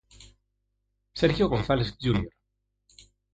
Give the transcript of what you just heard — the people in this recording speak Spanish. Sergio González Jr.